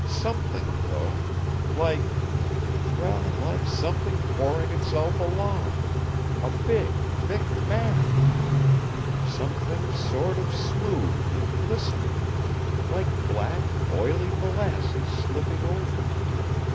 Something, though! Like well, like something pouring itself along; a big, thick mass. Something sort of smooth and glistening; like black, oily molasses slipping over.